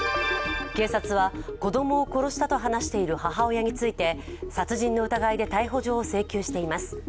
警察は、子供を殺したと話している母親について殺人の疑いで逮捕状を請求しています。